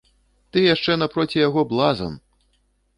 Ты яшчэ напроці яго блазан!